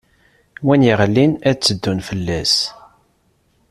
Win iɣlin, ad tt-ddun fell-as.